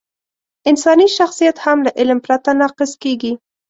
انساني شخصیت هم له علم پرته ناقص کېږي.